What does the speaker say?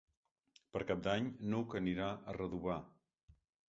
Per Cap d'Any n'Hug anirà a Redovà.